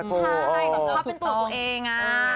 พ่อเป็นตัวตัวเอง